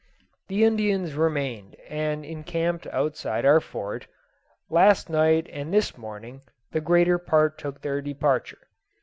The Indians remained and encamped outside our fort; last night and this morning the greater part took their departure.